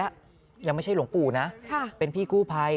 ยังไม่ใช่หลวงปู่นะเป็นพี่กู้ภัย